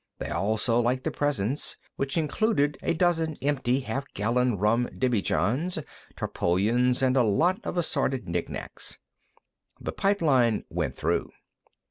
They also liked the presents, which included a dozen empty half gallon rum demijohns, tarpaulins, and a lot of assorted knickknacks. The pipeline went through.